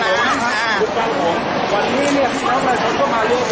อาหรับเชี่ยวจามันไม่มีควรหยุด